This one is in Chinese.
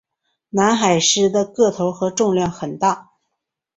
南海狮的个头和重量很大。